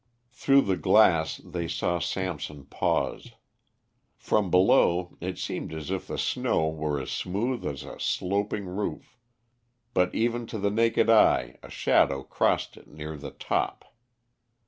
Through the glass they saw Samson pause. From below it seemed as if the snow were as smooth as a sloping roof, but even to the naked eye a shadow crossed it near the top.